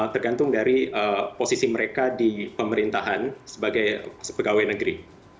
tergantung dari posisi mereka di pemerintahan sebagai pegawai negeri